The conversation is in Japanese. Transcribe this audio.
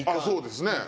そうですね。